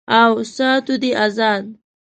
او ساتو دې آزاد